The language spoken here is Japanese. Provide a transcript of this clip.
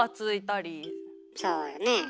そうよね。